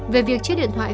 về việc chiếc điện thoại